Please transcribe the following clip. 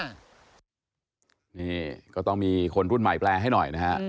นี่ก็ต้องมีคนรุ่นใหม่แปลให้หน่อยนะฮะ